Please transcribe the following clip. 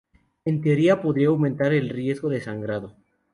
En teoría, podría aumentar el riesgo de sangrado.